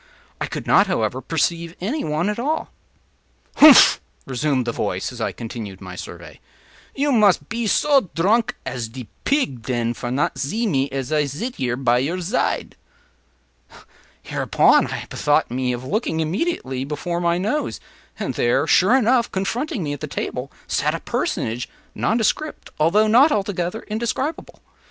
I could not, however, perceive any one at all. “Humph!” resumed the voice, as I continued my survey, “you mus pe so dronk as de pig, den, for not zee me as I zit here at your zide.” Hereupon I bethought me of looking immediately before my nose, and there, sure enough, confronting me at the table sat a personage nondescript, although not altogether indescribable.